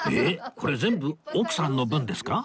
これ全部奥さんの分ですか？